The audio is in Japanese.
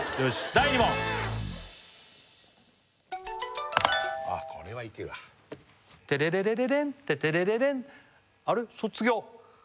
第２問あっこれはいけるわテレレレレレンテテレレレンあれ？